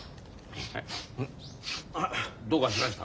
どうかしました？